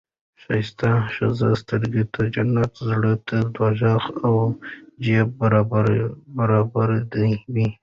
ښایسته ښځه سترګو ته جنت، زړه ته دوزخ او جیب بربادي وي.